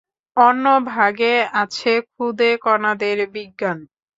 অন্য ভাগে আছে খুদে কণাদের বিজ্ঞান।